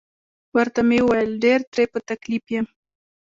ورته مې وویل: ډیر ترې په تکلیف یم.